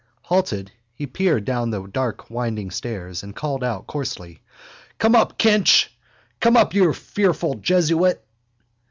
Halted, he peered down the dark winding stairs and called out coarsely: —Come up, Kinch! Come up, you fearful jesuit!